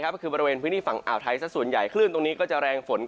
ก็คือบริเวณพื้นที่ฝั่งอ่าวไทยสักส่วนใหญ่คลื่นตรงนี้ก็จะแรงฝน